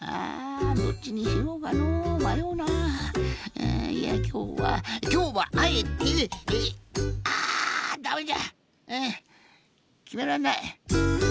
えいやきょうはきょうはあえてあダメじゃきめらんない。